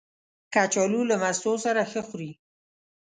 کچالو له مستو سره ښه خوري